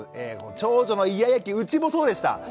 長女のイヤイヤ期うちもそうでした。